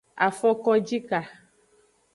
Afokonjika.